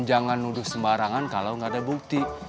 jangan nuduh sembarangan kalau gak ada bukti